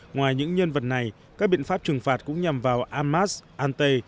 ngoài những nhân vật này các biện pháp trừng phạt cũng nhằm vào amas ante